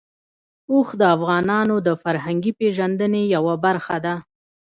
اوښ د افغانانو د فرهنګي پیژندنې یوه برخه ده.